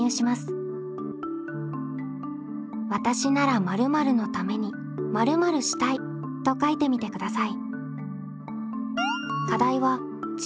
わたしなら〇〇のために〇〇したいと書いてみてください。